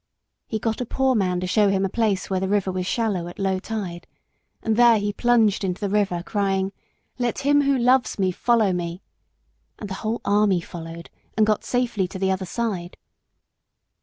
He got a poor man to show him a place where the river was shallow at low tide, and there he plunged into the river, crying, "Let him who loves me follow me," and the whole army followed and got safely to the other side.